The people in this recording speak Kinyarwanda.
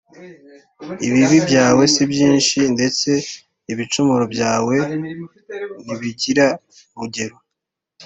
ibibi byawe si byinshi’ ndetse ibicumuro byawe ntibigira urugero